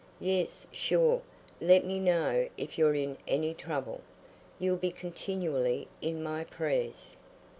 "Yes, sure; let me know if you're in any trouble. You'll be continually in my prayers."